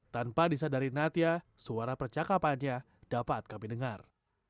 tanpa disadari natia suara percakapannya dapat kami dengar